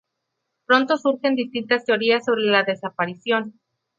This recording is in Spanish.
Pronto surgen distintas teorías sobre la desaparición.